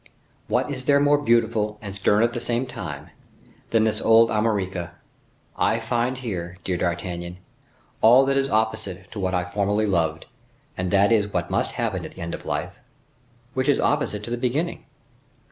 What is there more beautiful, and stern at the same time, than this old Armorica. I find here, dear D'Artagnan, all that is opposite to what I formerly loved, and that is what must happen at the end of life, which is opposite to the beginning.